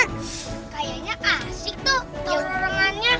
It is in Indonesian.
kayaknya asik tuh terurungannya